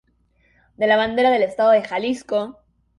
De la Bandera del Estado de Jalisco.